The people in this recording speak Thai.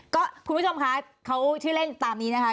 คุณผู้ชมคะเขาชื่อเล่นตามนี้นะคะ